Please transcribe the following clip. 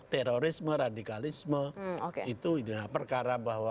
terorisme radikalisme itu adalah perkara bahwa